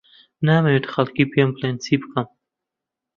نامەوێت خەڵک پێم بڵێن چی بکەم.